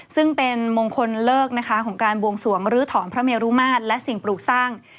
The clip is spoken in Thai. ซึ่งเป็นมงคลเลิกนะคะของการบวงสวงรื้อถอนพระเมรุมาตรและสิ่งปลูกสร้าง